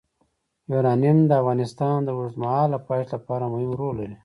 یورانیم د افغانستان د اوږدمهاله پایښت لپاره مهم رول لري.